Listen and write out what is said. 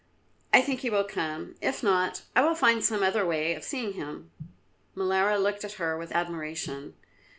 I think he will come; if not, I will find some other way of seeing him." Molara looked at her with admiration.